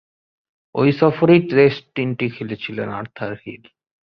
ঐ সফরেই টেস্ট তিনটি খেলেছিলেন আর্থার হিল।